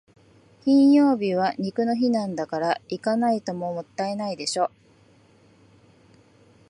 金曜は肉の日なんだから、行かないともったいないでしょ。